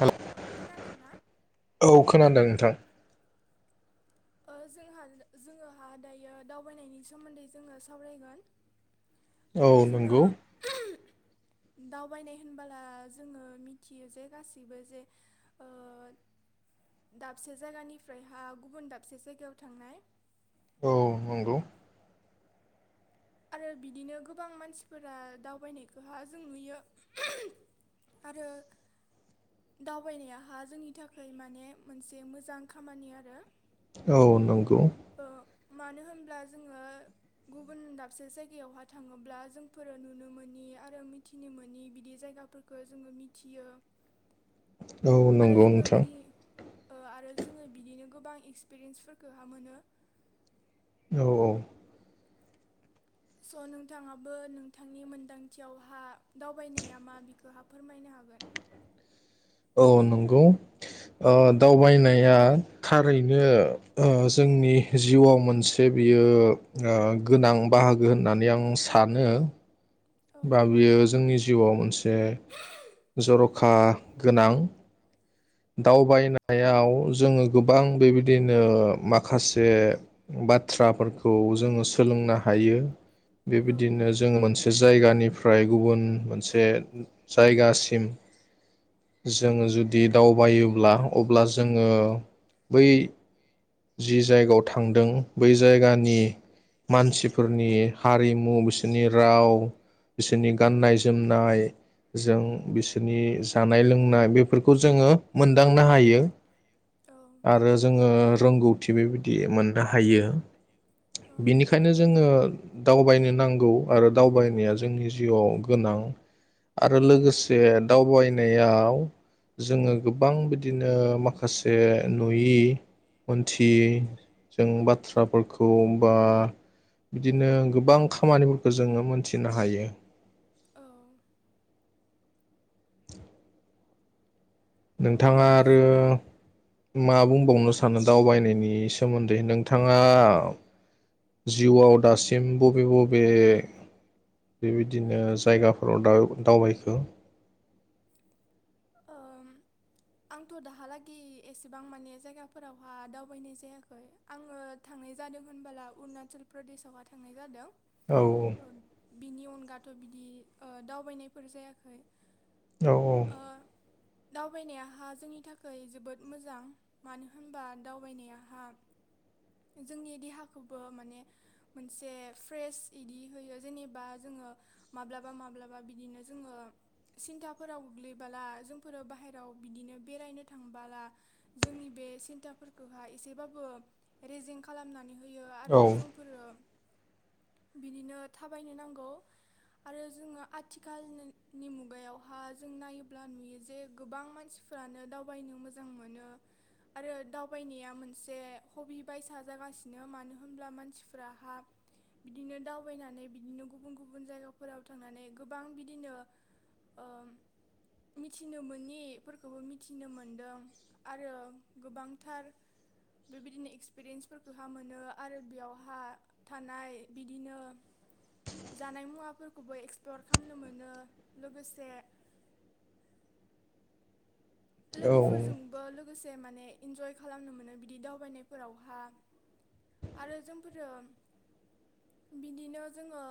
हेल ओ खोनादोंना औ खोनादों नोंथां ओ जोंहा जोङोहा दायो दावबायनायनि सोमोन्दै जोङो सावरायगोन। ओ औ जोङो नंगौ [unintelligible] दावबायनाय होनबोला जोङो मिथियो जे गासैबो जे ओ दाबसे जायगानिफ्राय हा गुबुन दाब दाबसे जायगायाव थांनाय औ नंगौ आरो बिदिनो गोबां मानसिफोरा दावबायनायखौहा जों नुयो आरो दावबायनायाहा जोंनि थाखाय माने मोनसे मोजां खामानि आरो औ नंगौ ओ मानो होनब्ला जोङो गुबुन दाबसे जायगायावहा थाङोब्ला जोंफोरो नुनो मोनि आरो मिथिनो मोनि बिदि जायगाफोरखौ जोङो मिथियो। औ आरो नंगौ जोङो नोंथां बिदि आरो जोङो बिदिनो गोबां एक्सपिरियेन्सफोरखौहा मोनो। औ औ स नोंथाङाबो नोंथांनि मोन्दांथियावहा दावबायनाया मा बिखौ हा फोरमायनो हागोन? औ नंगौ ओ दावबायनाया थारैनो ओ जोंनि जिउआव मोनसे बियो ओ गोनां बाहागो होननानै आं सानो। औ बा बेयो जोंनि जिउआव मोनसे जर'खा गोनां,। दावबायनायाव जोङो गोबां बेबायदिनो माखासे बाथ्राफोरखौ जोङो सोलोंनो हायो औ बेबायदिनो जोङो मोनसे जायगानिफ्राय गुबुन मोनसे जायगासि सिम जोङो ज दि दावबायोब्ला अब्ला जोङो बै जि जायगायाव थांदों बै जायगानि मानसिफोरनि हारिमु बिसोरनि राव बिसोरनि गाननाय जोमनाय जों बिसोरनि जानाय लोंनाय बेफोरखौ जोङो मोनदांनो हायो औ आरो जोङो रोंगौथि बेबायदि मोननोहायो। औ बिनिखायनो जोङो दा दावबायनो नांगौ आरो दावबायनाया जोंनि जिउआव गोनां आरो लोगोसे दावबायनायाव जोङो गोबां बिदिनो माखासे नुयि मोनथियै जों बाथ्राफोरखौ बा बिदिनो गोबांखा खामानिफोरखो जोङो मोनथिनोहायो। औ नोंथाङा ओ आरो जो मा बुंबावनोसानो दावबायनायनि सोमोन्दै नोंथाङा जिउआव दासि [unintelligible] बबे बबे बेबायदिनो जायगाफोराव दा-दावबायखो। आंथ दाहालागै एसेबां माने जायगाफोरावहा दावबायनाय जायाखै आङो थांनाय जादों होनबोला अरुणाचल प्रदेशावहा थांनाय जादों। औ [unintelligible] बिनि अनगा। थ बिदि। ओ दावबायनायफोर जायाखै। औ औ। ओ दावबायनायाहा जोंनि थाखाय जोबोद मोजां मानो होनबा दावबायनायहा जोंनि देहाखौबो माने मोनसे फ्रेस बिदि होयो जेनेबा जोङो मा माब्लबा माब्लाबा बिदिनो जोङो सिन्थाफोराव गोग्लैबोला जोंफोरो बाहेराव बिदिनो बेरायनो थांबोला जोंनि बे सिन्थाफोरखौहा एसेबाबो रेजें खालामनानै होयो औ आरो जोंफोरो बिदिनो थाबायनो नांगौ। आरो जोङो आथिखालनि मुगायावहा जों नायोब्ला नुयो जे गोबां मानसिफ्रानो दावबायनो मोजां मोनो आरो दावबायनाया मोनसे हबि बायसा जागासिनो मानो होनब्ला मानसिफ्राहा बिदिनो दावबायनानै बिदिनो गुबुन गुबुन जायगायाव [unintelligible] फोराव थांनानै गोबां बिदिनो ओ मिथिनो मोननिफोरखौबो मिथिनो मोनदों आरो गोबांथार बेबायदिनो एक्सपिरियेन्सफोरखौहा मोनो आरो बेयावहा थानाय बिदिनो जानाय मुवा [unintelligible] एक्सप्लर खालामनो मोनो लोगोसे औ लोगोफोरजोंबो लोगोसे [unintelligible] माने इन्जय खालामनो मोनो बिदि दावबायनायफोरावहा आरो जोंफोरो बिदिनो जोंओ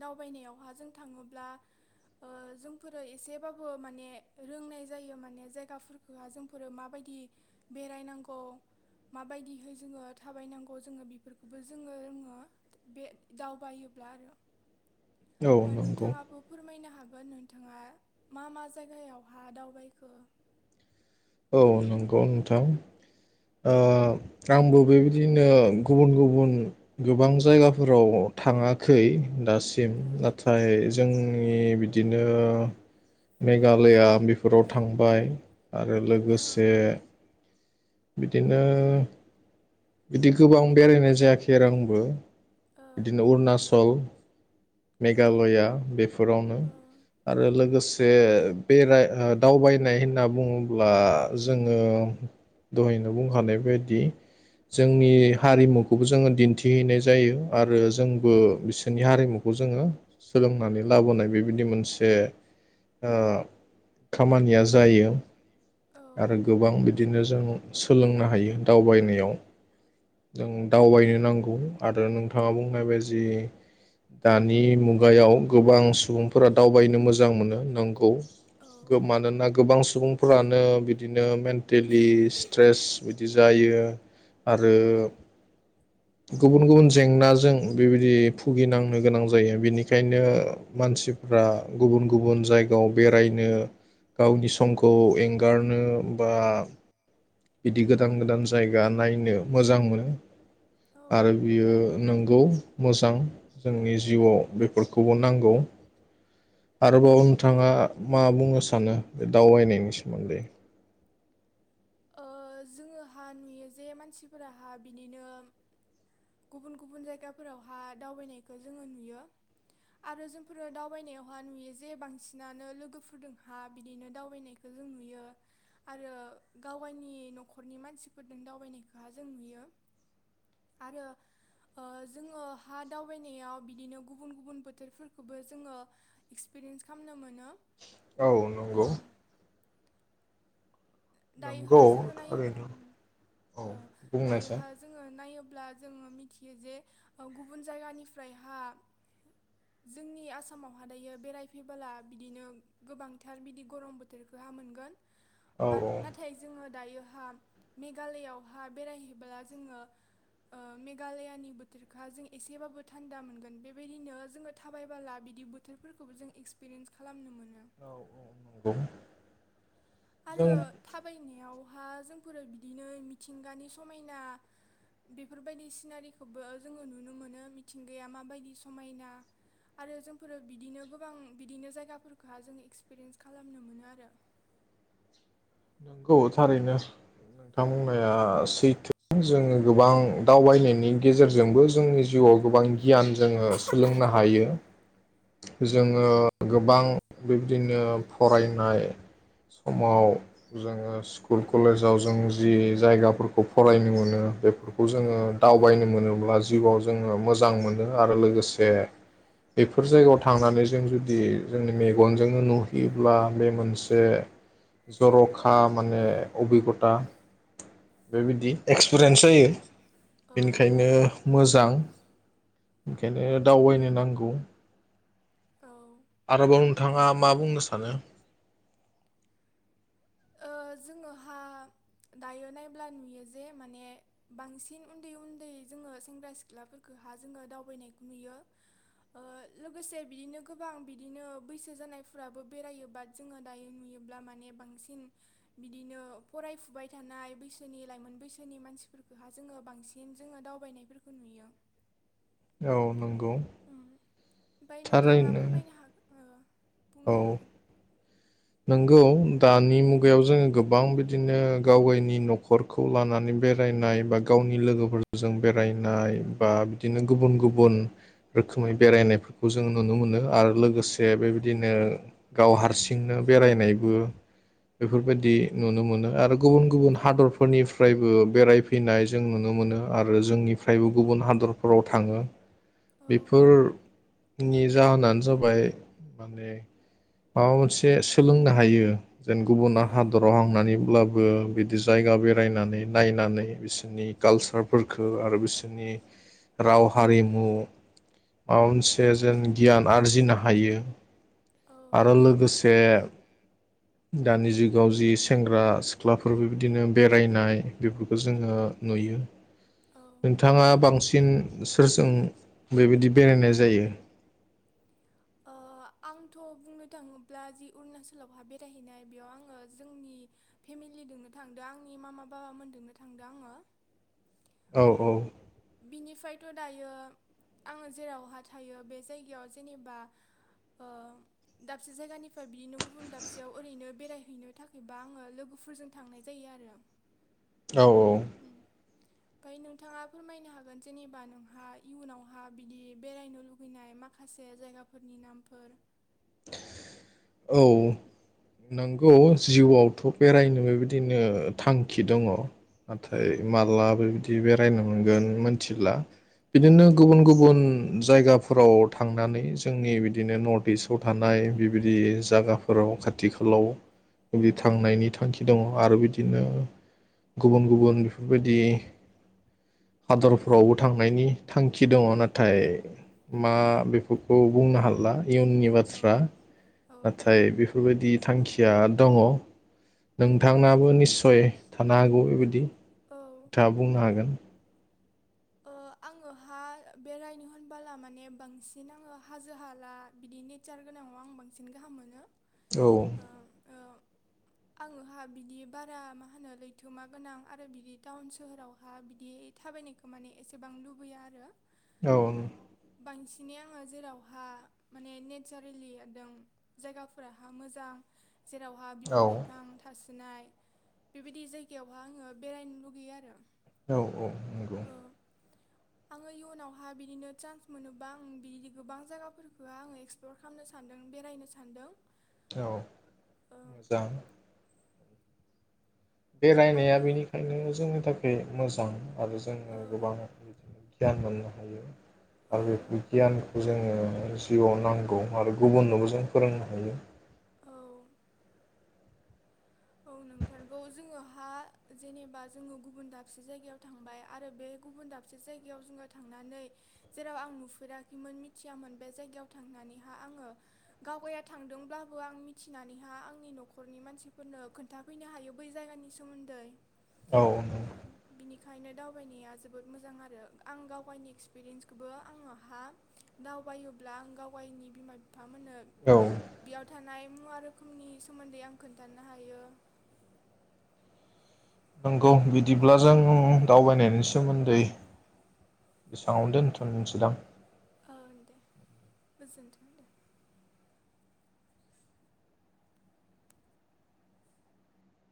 दावबायनायावहा जों थांओब्ला ओ जोंफोरो इसेबाबो माने‌ रोंनाय जायो माने जायगाफोरखौहा जोंफोरो माबायदि बेरायनांगौ माबायदिहै जोङो थाबायनांगौ जोङो बेफोरखौबो जोङो रोङो बे दावबायोब्ला आरो। औ नंगौ नोंथाङाबो फोरमायनो हागोन। [unintelligible] नोंथाङा मा मा जायगायावहा दावबायखो? औ नंगौ नोंथां ओ आंबो बेबायदिनो गुबुन गुबुन गोबां जायगाफोराव थाङाखै। दासिम ओ नाथाय जोंनि बिदिनो मेघालया बेफोराव थांबाय आरो ओ लोगोसे बिदिनो बिदि गोबां बेरायनाय जायाखै आरो आंबो। बिदिनो अरुनाचल ओ मेघालया बेफोरावनो औ आरो लोगोसे जे बेराय दावबायनाय होनना बुङो अब्ला जोङो दहायनो बुंखानाय बादि जोंनि हारिमुखौबो जोङो दिन्थिहैनाय जायो आरो जोंबो ओ औ बिसोरनि हारिमुखौ जोङो सोलोंनानै लाबोनाय बेबायदि मोनसे खामानिया जायो। आरो औ गोबां बिदिनो जों सोलोंनो हायो दावबायनायाव जों दावबायनो नांगौ आरो नोंथाङा बुंनायबादि दानि मुगायाव गोबां सुबुंफोरा दावबायनो मोजां मोनो नंगौ औ मानोना गोबां सुबुं ओनो बिदोनो मेन्टेलिस चिट्रेस बिदि जायो आरो गुबन गुबन। जेंनाजों बेबायदि फुगिनांनो गोनां जायो। बेनिखायनो मानसिफ्रा गुबुन गुबुन जायगायाव बेरायनो गावनि सं। खौ एंगारनो बा। बिदि गोदान गोदान। जायगा नायनो मोजां मोनो औ आरो बियो नंगौ। मस दां जोंनि जिउआव बे फोरखौबो नांगौ आरोबाव नोथाङा मा बुंनो सानो बे दावबायनायनि सोमोन्दै? ओ जोङोहा नुयो जे मानसिफोराहा बिनिनो गुबुन गुबुन जायगाफोरावहा दावबायनायखौ जोङो नुयो आरो जोंफोरो दावबायनायावहा नुयो जे बांसिनानो लोगोफोरजोंहा बिदिनो दावबायनायखौ जों नुयो आरो गाव गायनि नखरनि मानसिफोरजों दावबायनायखौहा जों नुयो आरो ओ जोङो हा दावबायनायाव बिदिनो गुबुन गुबुन बोथोरफोरखौबो जोङो एक्सपिरियेन्स खालामनो मोनो। औ ओ नंगौ। नंगौ दायोहा जोङो नायोब्ला थारैनो औ ओ बुंनायसाय दायोहा जोङो नायोब्ला जोङो मिथियो जे गुबुन जायगानिफ्रायहा जोंनि आसामावहा दायो बेरायफैबोला बिदिनो गोबांथार बिदि गरम बोथोरखौहा मोनगोन। औ बाथ नाथाय जोङो दायोहा मेघालयावहा बेरायहैबोला जोङो ओ मेघालयानि बोथोरखौहा जों एसेबाबो थान्दा मोनगोन बेबायदिनो जोङो थाबायबोला बिदि बोथोरफोरखौबो जों एक्सपिरियेन्स खालामनो मोनो। औ औ नंगौ। जों आरो थाबाय नियावहा जोंफोरो बिदिनो मिथिंगानि समायना बेफोरबायदि सिनारिखौबो जोङो नुनो मोनो मिथिंगाया माबायदि समायना आरो जोंफोरो बिदिनो गोबां बिदिनो जायगाफोरखौहाय जोङो एक्सपिरियेन्स खालामनो मोनो आरो। नोंगौ थारैनो। नोंथां औ बुंनाया सैथो जोङो गोबां दावबायनायनि गेजेरजोंबो जोंनि जिउआव गोबां गियान जोङो सोलोंनो हायो। जोङो गोबां बिबदिनो फरायनाय समाव जोङो स्कुल कलेजाव जों जि जायगाफोरखौ फरायनो मोनो बेफोर खौ औ जोङो दावबायनो मोनोब्ला जिउआव जोङो मोजां मोनो आरो लोगोसे बे जायगायाव थांनानै जों जुदि जोंनि मेगनजोंनो नुहैयोब्ला बे मोनसे जर'खा माने अबिगथा बे बिदि टुरेन्टसो जायो औ बेनिखायनो मोजां। ओंखायनो दावबायनो नांगौ। औ आरोबाव नोंथाङा मा बुंनो सानो? ओ जोङोहा दायो नायब्ला नुयो जे माने बांसिन उन्दै उन्दै जोङो सेंग्रा सिख्लाफोरखौहा जोङो दावबायनायखौ नुयो ओ लोगोसे बिदिनो गोबां बिदिनो बैसो जानायफोराबो बेरायो बाद जोङो दायो नुयोब्ला माने बांसिन बिदिनो फरायफुबाय थानाय बैसोनि लाइमोन बैसोनि मानसिफोरफोरखौहा जोङो बांसिन जोङो दावबायनायफोरखौ नुयो। औ नंगौ। उम। ओमफाय नोंथाङा थारैनो फोरमायनो हागोन ओ औ। बुंनो हागोन नंगौ दानि मुगायाव जोङो गोबां बिदिनो गाव गायनि नखरखौ लानानै बेरायनाय बा गावनि लोगोफोरजों बेरायनाय बा बिदिनो गुबुन गुबुन रोखोमै बेरायनायफोरखौ जों नुनो मोनो आरो लोगोसे बेबायदिनो गाव हारसिंनो बेरायनायबो बेफोरबायदि नुनो मोनो आरो गुबुन गुबुन हादरफोरनिफ्रायबो बेरायफैनाय जों नुनो मोनो आरो जोंनि फ्रायबो गुबुन हादरफोराव थाङो। औ औ बेफोर नि जाहोनानो जाबाय माने माबा मोनसे सो सोलोंनो हायो जेन औ गुबुना हादराव हांनानैब्लाबो बिदि जायगा बेरायनानै नायनानै बिसोरनि खालसारफोरखौ आरो बिसोरनि राव हारिमु माबा मोनस जे जों गियान आरजिनो हा हायो औ आरो लोगोसे दानि जुगाव जि सेंग्रा सिख्लाफोर बेबायदिनो बेरायनाय बेफोरखौ जोङो नुयो औ नोंथाङा बांसिन सोरजों बेबायदि बेरायनाय जायो? ओ आंथ' बुंनो थाङोब्ला जि अरुणासलावहा बेरायहैनाय बेयाव आङो जोंनि फेमिलिदोंनो थांदों आंनि मामा बाबामोनदोंनो थांदो आङो। औ ओ औ बिनिफाय थ' दायो आङो जेरावहा थायो बे जायगायाव जेनेबा ओ दाबसे जायगानिफ्राय बिदिनो गुबुन दाबसेयाव ओरैनो बेरायहैनो थाखायबा आङो लोगोफोरजों थांनाय जायो आरो। औ औ ओमफाय नोंथाङा फोरमायनो हागोन जेनेबा नोंहा इयुनावहा बिदि बेरायनो लुुबैनाय मा माखासे जायगाफोरनि नामफोर औ नंगौ जिउआवथ' बेरायनो बेबायदिनो थांखि दङ। औ नाथाय मालाबो बिदि बेरायनो मोनगोन मोनथिला। औ बिदिनो गुबुन गुबुन जायगाफोराव थांनानै जोंनि बिदिनो नर्थइस्ट फोराव थानाय बिबिदि जागाफोराव खाथि खाालाव थांनायनि थांखि दङ आरो बिदिनो गुबुन गुबुन बेफोरबायदि हादरफ्रावबो थांनायनि थांखि दङ नाथाय मा बेफोरखौ बुंनो हाला इयुननि बा थ्रा औ नाथाय बेफोरबायदि थांखिया दङ। नोंथांनाबो निस य थानो हागौ बेबायदि औ नोंथांया बुंनो हागोन। ओ आङोहा बेरायनो होनबोला माने बांसिन आङो हाजो हाला बिदि नेचार गोनांङाव आं बांसिन गाहाम मोनो। औ ओ ओ आङोहा बिदि बारा मा होनो लैथोमा गोनां आरो बिदि टाउन सोहोरावहा बिदि थाबायनायखो माने एसेबां लुबैया आरो। औ बांसिन माने आङो जेरावहा माने नेचारेलि एदम जायगाफोराहा मोजां जेरावहा बिफां लाइफां थास ओ नाय बेबायदि जायगायावहा आङो बेरायनो लुगैयो आरो औ औ नंगौ ओ आङो इयुनावहा बिदिनो चान्स मोनोबा आं बिदिदि गोबां जायगाफोरखौहाय आङो एक्सप्लर खालामनो सान्दों बेरायनो सान्दों। औ मोजां बेरायनाया आरो बेनिखायनो जोंनि थाखाय बे मोजां आरो ओ जोङो गोबां बिदिनो गियान मोननो हायो आरो बेफोर औ गियानखौ जोङो जिउआव नांगौ आरो गुबुननोबो जों फोरोंनो हायो। औ औ नोंथारगौ, जोङोहा जेनेबा जोङो गुबुन दाबसे जायगायाव थांबाय आरो बे गुबुन दाबसे जायगायाव जोङो थांनानै, जेराव आं नुफेराखैमोन मिथियामोन बे जायगायाव थांनानैहा आङो गावबाया थांदोंब्लाबो आं मिथिनानैहा आंनि नख'रनि मानसि फोरनो खोन्थाफैनो हायो बै जायगानि सोमोन्दै औ बेखायनो दावबायनाया जोबोद मोजां आरो आं गावगायनि एक्सपिरियेन्सखौबो आङो हा दावबायोब्ला आं गाव गावगायनि बिमा बि फा मोननो औ बेयाव थानाय मुवा रोखोमनि सोमोन्दै आं खोन्था थाननो हायो नंगौ बिदिब्ला जों दावबायनायनि सोमोन्दै बेसाङावनो दोनथनोसैदां ओ दे गोजोनथों दे